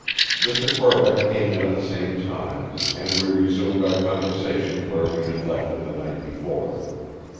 Mr. Corbeck came in at the same time; and we resumed out conversation where we had left it the night before.